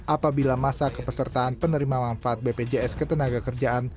apabila masa kepesertaan penerima manfaat bpjs ketenagakerjaan